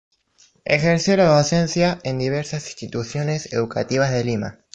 Ejerció la docencia en diversas instituciones educativas de Lima.